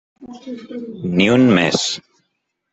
Ni un més.